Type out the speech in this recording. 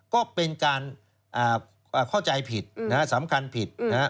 ก็เป็นการเข้าใจผิดสำคัญผิดนะฮะ